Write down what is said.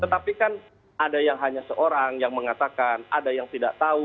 tetapi kan ada yang hanya seorang yang mengatakan ada yang tidak tahu